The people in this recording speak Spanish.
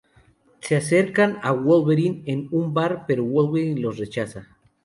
Se acercan a Wolverine en un bar pero Wolverine los rechaza.